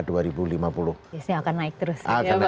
ya sih akan naik terus